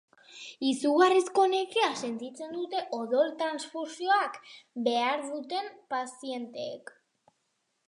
Izugarrizko nekea sentitzen dute odol-transfusioa behar duten pazienteek.